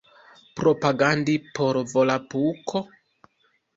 Propagandi por Volapuko?